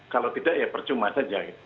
kalau tidak ya percuma saja